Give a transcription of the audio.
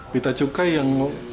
vita cukai yang